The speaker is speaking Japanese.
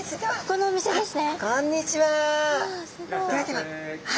こんにちは。